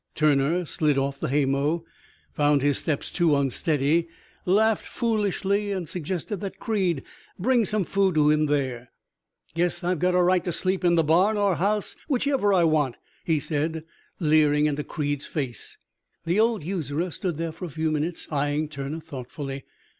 Turner slid off the haymow, found his steps too unsteady, laughed foolishly, and suggested that Creed bring some food to him there. 'Guess I've got a right to sleep in the barn or house, whichever I want,' he said, leering into Creed's face. The old usurer stood there for a few minutes eying Turner thoughtfully.